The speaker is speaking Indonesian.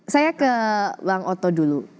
saya ke bang oto dulu